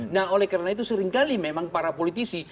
nah oleh karena itu seringkali memang para politisi